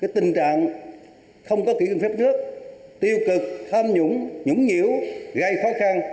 tình trạng không có kỹ nguyên phép nước tiêu cực tham nhũng nhũng nhiễu gây khó khăn